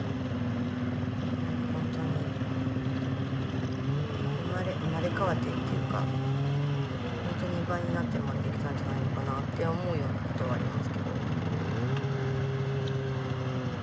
何かほんとに生まれ変わってっていうかほんと２倍になって生まれてきたんじゃないのかなって思うようなことはありますけど。